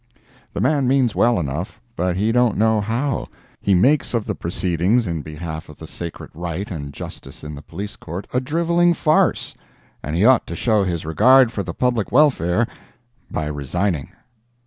The man means well enough, but he don't know how; he makes of the proceedings in behalf of a sacred right and justice in the Police Court, a drivelling farce, and he ought to show his regard for the public welfare by resigning.